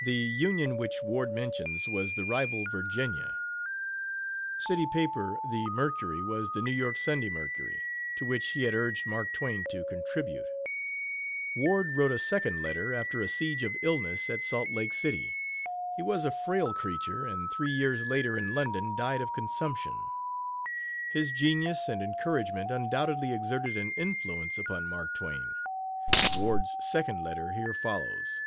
The Union which Ward mentions was the rival Virginia. City paper; the Mercury was the New York Sunday Mercury, to which he had urged Mark Twain to contribute. Ward wrote a second letter, after a siege of illness at Salt Lake City. He was a frail creature, and three years later, in London, died of consumption. His genius and encouragement undoubtedly exerted an influence upon Mark Twain. Ward's second letter here follows.